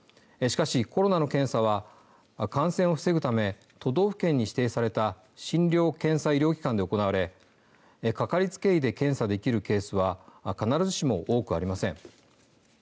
しかし、コロナの検査は感染を防ぐため都道府県に指定された診療・検査医療機関で行われかかりつけ医で検査できるケースは必ずしも多くありません。